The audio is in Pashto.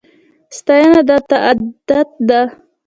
ستاینه دلته عادت ده.